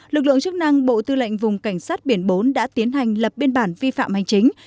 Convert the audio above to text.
lực lượng chức năng bộ tư lệnh vùng cảnh sát biển bốn đã tiến hành lập biên bản vi phạm hành chính